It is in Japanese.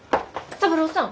三郎さん